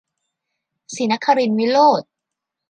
ศรีนครินทรวิโรฒ